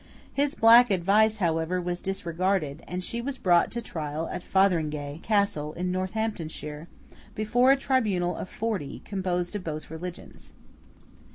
His black advice, however, was disregarded, and she was brought to trial at Fotheringay Castle in Northamptonshire, before a tribunal of forty, composed of both religions.